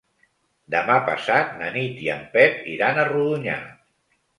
Demà passat na Nit i en Pep iran a Rodonyà.